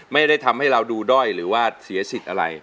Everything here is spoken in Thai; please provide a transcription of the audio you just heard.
ไม่ได้ทำให้เราดูด้อยหรือว่าเสียสิทธิ์อะไร